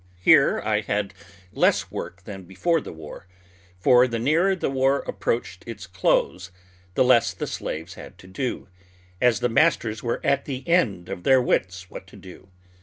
Here I had less work than before the war, for the nearer the war approached its close the less the slaves had to do, as the masters were at the end of their wits what to do.